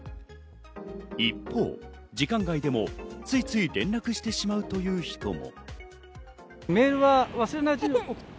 一方、時間外でもついつい連絡してしまうという人も。